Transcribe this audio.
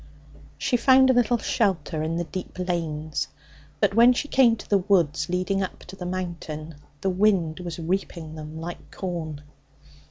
She found a little shelter in the deep lanes, but when she came to the woods leading up to the Mountain the wind was reaping them like corn.